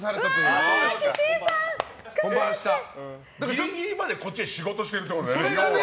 ギリギリまで、こっちで仕事してるってことだよね。